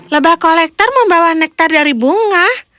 lebah kolektor membawa nektar dari bunga